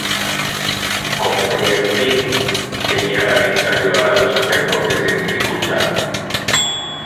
Cómo primer fin, tenía a la vista ayudar a los sacerdotes en dificultad.